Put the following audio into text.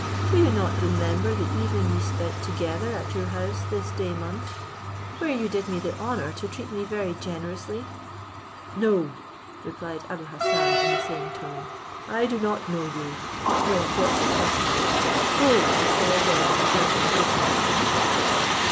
Do you not remember the evening we spent together at your house this day month, where you did me the honour to treat me very generously?" "No," replied Abou Hassan in the same tone, "I do not know you, nor what you talk about; go, I say again, about your business."